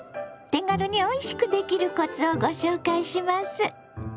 手軽においしくできるコツをご紹介します。